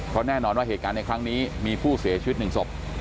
เพราะแน่นอนว่าเหตุการณ์ในครั้งนี้มีผู้เสียชีวิตหนึ่งศพ